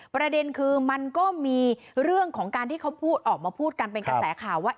ประเด็นคือมันก็มีเรื่องของการที่เขาพูดออกมาพูดกันเป็นกระแสข่าวว่า